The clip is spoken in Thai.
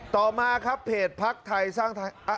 ต่อมาครับเพจปลักษณ์ไทยสร้างถ่าย